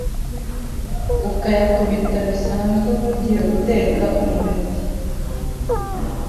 ukayakubita bisanzwe nk’ugiye guteka umureti,